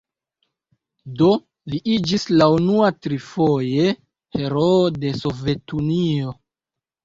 Do li iĝis la unua trifoje heroo de Sovetunio.